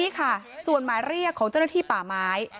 นี่ค่ะส่วนหมายเรียกของเจ้าหน้าที่ป่าไม้